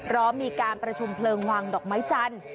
พร้อมมีการประชุมเพลิงวางดอกไม้จันทร์